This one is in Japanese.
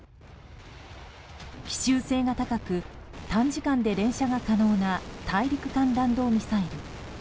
奇襲性が高く短時間で連射が可能な大陸間弾道ミサイル。